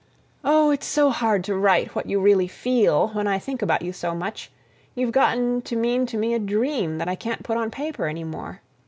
... Oh it's so hard to write you what I really feel when I think about you so much; you've gotten to mean to me a dream that I can't put on paper any more.